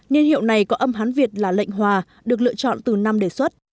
niên hiệu này có âm hán việt là lệnh hòa được lựa chọn từ năm đề xuất